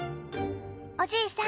おじいさん